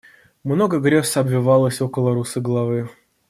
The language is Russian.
Много грез обвивалось около русой головы.